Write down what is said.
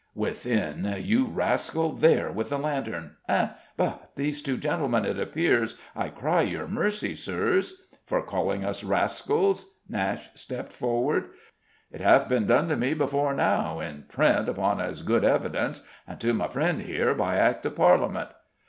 _ Within! You rascal, there, with the lantern!... Eh? but these be two gentlemen, it appears? I cry your mercy, Sirs." "For calling us rascals?" Nashe stepped forward. "'T hath been done to me before now, in print, upon as good evidence; and to my friend here by Act of Parliament."